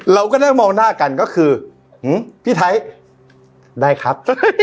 เราก็ได้มองหน้ากันก็คือพี่ไทยได้ครับ